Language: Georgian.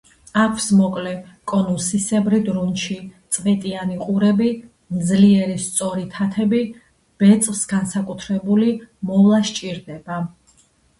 აქვს მოკლე, კონუსისებრი დრუნჩი, წვეტიანი ყურები, ძლიერი სწორი თათები, ბეწვს განსაკუთრებული მოვლა სჭირდება.